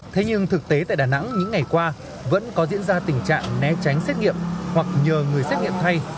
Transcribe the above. thế nhưng thực tế tại đà nẵng những ngày qua vẫn có diễn ra tình trạng né tránh xét nghiệm hoặc nhờ người xét nghiệm thay